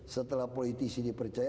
setelah politisi dipercaya